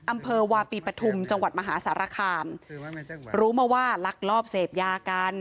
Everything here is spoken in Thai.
อำเภอวาปีปฐุมจังหวัดมหาสารคามรู้มาว่าลักลอบเสพยากัน